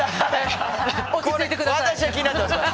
私は気になってますから。